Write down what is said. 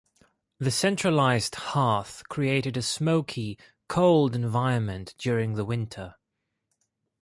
The centralized hearth created a smoky, cold environment during the winter.